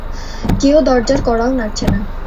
কেউ দরজার কড়াও নাড়ছে না।